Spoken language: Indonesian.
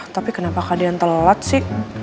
tapi kenapa kak dian telat sih